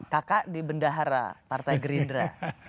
kakak di bendahara partai gerindra